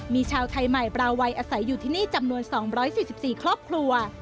มีชาวไทยใหม่บราวัยอาศัยอยู่ที่นี่จำนวน๒๔๔ครอบครัว